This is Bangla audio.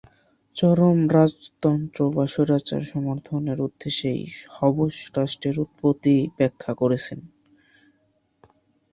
চরম রাজতন্ত্র বা স্বৈরাচার সমর্থনের উদ্দেশ্যেই হবস রাষ্ট্রের উৎপত্তি ব্যাখ্যা করেছেন।